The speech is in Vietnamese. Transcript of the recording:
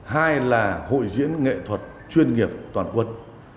hai là hội diễn nghệ thuật chuyên nghiệp toàn quân